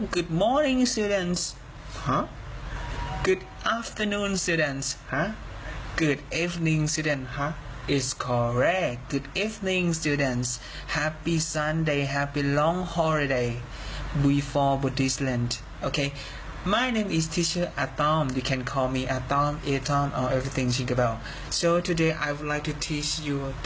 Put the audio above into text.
เขาแบตเทอร์กันให้ดูแล้วระหว่างครูกับลูกศิษย์